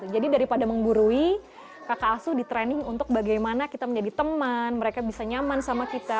jadi daripada menggurui kakak asuh di training untuk bagaimana kita menjadi teman mereka bisa nyaman sama kita